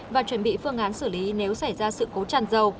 và chuẩn bị phương án xử lý nếu xảy ra sự cố tràn dầu